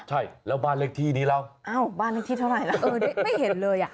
ใช่แล้วบ้านเลขที่นี้เราอ้าวบ้านเลขที่เท่าไหร่แล้วเออไม่เห็นเลยอ่ะ